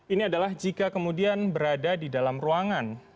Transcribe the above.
ini adalah jika kemudian berada di dalam ruangan